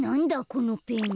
このペン。